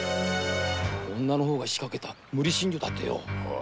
女の方から仕掛けた無理心中だってよ。